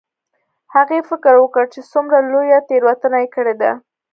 هغې فکر وکړ چې څومره لویه تیروتنه یې کړې ده